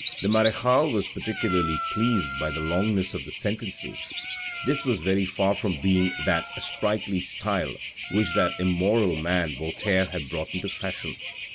The marechale was particularly pleased by the longness of the sentences ; this was very far from being that sprightly style which that immoral man Voltaire had brought into fashion.